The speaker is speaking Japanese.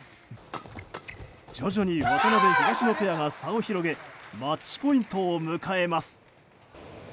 徐々に渡辺、東野ペアが差を広げマッチポイントを迎えます。